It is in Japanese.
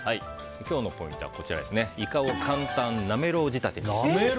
今日のポイントはイカを簡単なめろう仕立てにすべし。